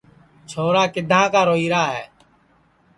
چھورا کِدھاں کا روئیرا ہے